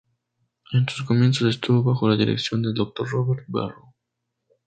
En sus comienzos estuvo bajo la dirección del Dr. Roberto Berro.